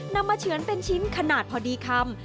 นำมาเฉือนเป็นชิ้นขนาดพอดีคำ